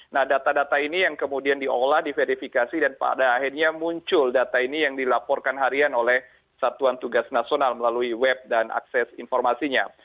nah data data ini yang kemudian diolah diverifikasi dan pada akhirnya muncul data ini yang dilaporkan harian oleh satuan tugas nasional melalui web dan akses informasinya